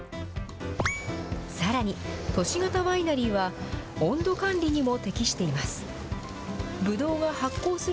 さらに、都市型ワイナリーは、温度管理にも適しています。